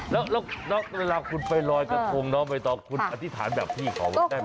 แล้วเวลาคุณไปล้อยกับทรงน้ำไปต่อคุณอธิษฐานแบบพี่ของได้ไหม